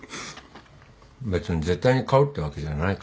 別に絶対に買うってわけじゃないから。